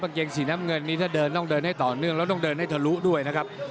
เกงสีน้ำเงินนี้ถ้าเดินต้องเดินให้ต่อเนื่องแล้วต้องเดินให้ทะลุด้วยนะครับ